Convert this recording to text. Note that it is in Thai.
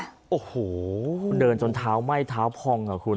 โอ้โหเดินจนเท้าไหม้เท้าพองอ่ะคุณ